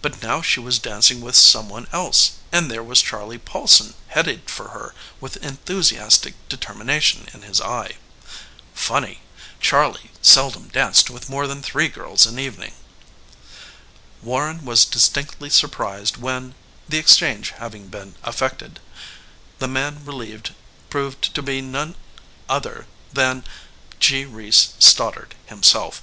But now she was dancing with some one else, and there was Charley Paulson headed for her with enthusiastic determination in his eye. Funny Charley seldom danced with more than three girls an evening. Warren was distinctly surprised when the exchange having been effected the man relieved proved to be none ether than G. Reece Stoddard himself.